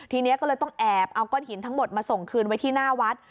ทีนี้ก็เลยต้องแอบเอาก้อนหินทั้งหมดมาส่งคืนไว้ที่หน้าวัด